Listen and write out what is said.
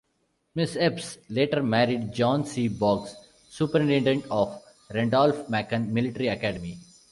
Miss Eppes later married John C. Boggs, Superintendent of Randolph-Macon Military Academy.